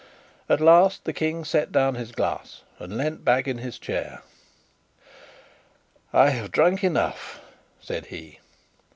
At last the King set down his glass and leant back in his chair. "I have drunk enough," said he.